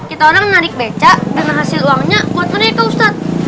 kita orang narik beca dan hasil uangnya buat mereka ustadz